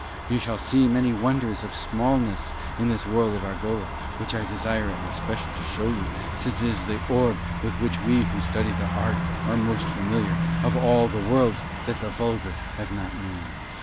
You shall see many wonders of smallness in this world of Argola, which I desire in especial to show you, since it is the orb with which we who study the Art are most familiar, of all the worlds that the vulgar have not known.